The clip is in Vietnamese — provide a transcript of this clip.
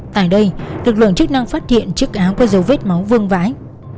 tại đây lực lượng chức năng phát hiện chiếc áo có dấu vết máu vương vái